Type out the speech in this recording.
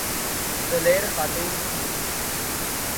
دلیر خاتون تھیں۔